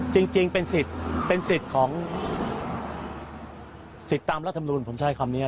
จริงเป็นสิทธิ์เป็นสิทธิ์ของสิทธิ์ตามรัฐมนูลผมใช้คำนี้